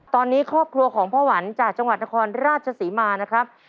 ตอนนี้ครอบครัวของพ่อหวันจากจังหวัดนครราชศรีมานะครับ